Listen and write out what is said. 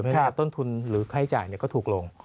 ต้นทุนหรือค่าใช้จ่ายก็ถูกลง